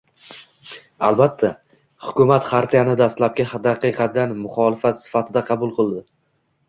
Albatta, hukumat Xartiyani dastlabki daqiqadan muxolifat sifatida qabul qildi